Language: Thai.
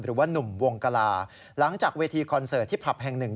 หนุ่มวงกลาหลังจากเวทีคอนเสิร์ตที่ผับแห่งหนึ่ง